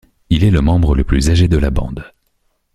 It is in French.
Il est le membre le plus âgé de la bande.